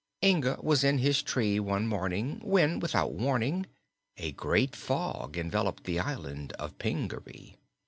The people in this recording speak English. Inga was in his tree one morning when, without warning, a great fog enveloped the Island of Pingaree.